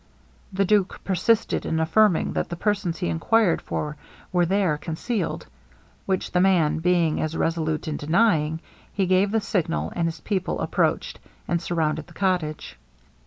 The duke persisted in affirming that the persons he enquired for were there concealed; which the man being as resolute in denying, he gave the signal, and his people approached, and surrounded the cottage.